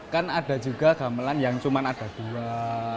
kan ada juga gamelan yang cuma ada dua